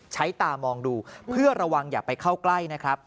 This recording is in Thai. ตามองดูเพื่อระวังอย่าไปเข้าใกล้นะครับ